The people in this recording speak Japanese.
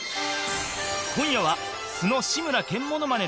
今夜は素の志村けんモノマネ